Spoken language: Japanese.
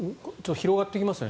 広がっていきますよね。